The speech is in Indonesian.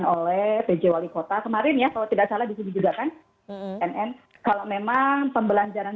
oleh pj wali kota kemarin ya kalau tidak salah di sini juga kan nn kalau memang pembelajaran